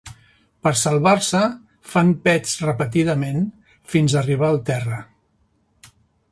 Per salvar-se, fan pets repetidament fins arribar al terra.